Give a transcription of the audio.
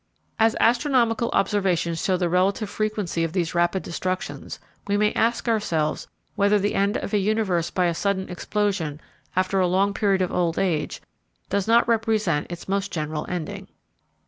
As astronomical observations show the relative frequency of these rapid destructions, we may ask ourselves whether the end of a universe by a sudden explosion after a long period of old age does not represent its most general ending.